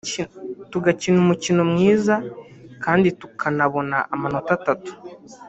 tugakina umukino mwiza kandi tukanabona amanota atatu